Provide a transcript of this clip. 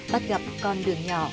bắt gặp con đường nhỏ